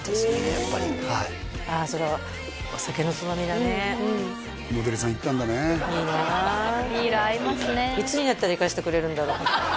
やっぱりああそれはお酒のつまみだねモデルさん行ったんだねいいないつになったら行かせてくれるんだろう？